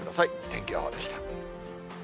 天気予報でした。